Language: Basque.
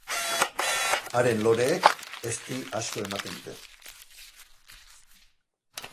Haren loreek ezti asko ematen dute.